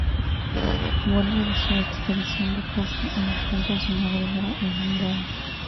Vuelve de su expedición de caza y encuentra su madriguera inundada.